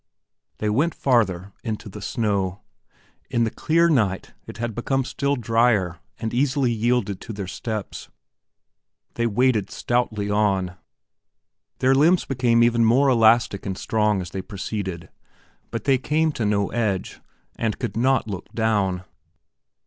They went farther into the snow. In the clear night, it had become still drier and easily yielded to their steps. They waded stoutly on. Their limbs became even more elastic and strong as they proceeded, but they came to no edge and could not look down.